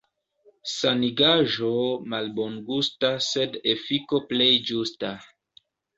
Sanigaĵo malbongusta, sed efiko plej ĝusta.